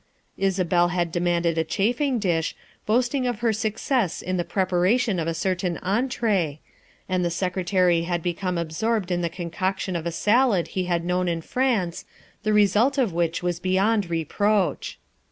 Isabel had demanded a chafing dish, boasting of her success in the preparation of a certain entree, and the Secretary had become absorbed in the concoction of a salad he had known in France, the result of which was beyond reproach.